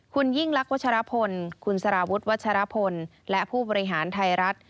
คุณยิ่งลักษณวัชรพลคุณสารวุฒิวัชรพลและผู้บริหารไทยรัฐ